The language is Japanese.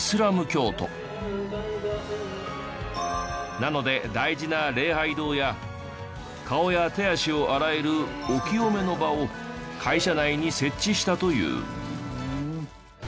なので大事な礼拝堂や顔や手足を洗えるお清めの場を会社内に設置したという。